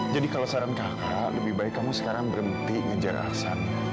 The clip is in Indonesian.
jadi kalau saran kakak lebih baik kamu sekarang berhenti ngejar aksan